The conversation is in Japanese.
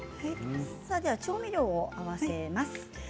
調味料を合わせます。